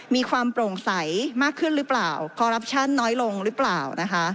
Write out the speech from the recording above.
มีความโปร่งใสมากขึ้นหรือเปล่าคอรัปชั่นน้อยลงหรือเปล่านะคะ